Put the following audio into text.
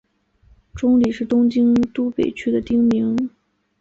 中里是东京都北区的町名。